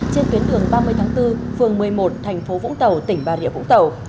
trên tuyến đường ba mươi tháng bốn phường một mươi một tp vũng tàu tỉnh bà rịa vũng tàu